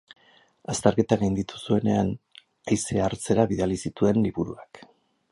Azterketa gainditu zuenean, haizea hartzera bidali zituen liburuak.